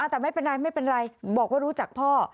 แต่ไม่เป็นไรไม่เป็นไรบอกว่ารู้จักพ่อ